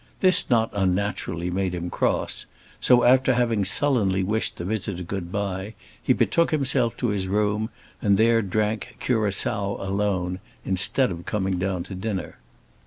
This not unnaturally made him cross; so, after having sullenly wished the visitor good bye, he betook himself to his room, and there drank curaçoa alone, instead of coming down to dinner.